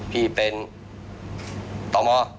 ที่เป็นต่อมอ